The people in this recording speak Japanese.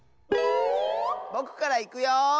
ぼくからいくよ。